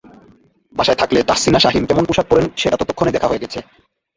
বাসায় থাকলে তাহসীনা শাহীন কেমন পোশাক পরেন সেটা ততক্ষণে দেখা হয়ে গেছে।